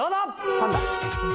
パンダ。